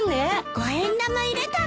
五円玉入れたの？